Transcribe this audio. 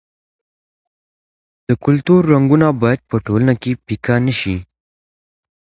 د کلتور رنګونه باید په ټولنه کې پیکه نه سي.